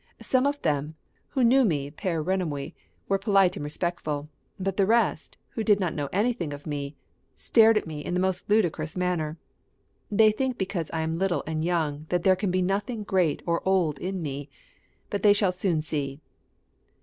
Some of them, who knew me per renommée, were polite and respectful; but the rest, who did not know anything of me, stared at me in the most ludicrous manner. They think because I am little and young that there can be nothing great or old in me; but they shall soon see."